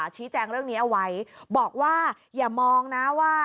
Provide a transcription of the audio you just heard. ชี้แจงเรื่องนี้เอาไว้บอกว่าอย่ามองนะว่า